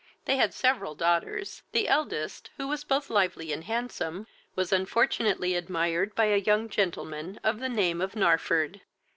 They had several daughters; the eldest, who was both lively and handsome, was unfortunately admired by a young gentleman of the name of Narford.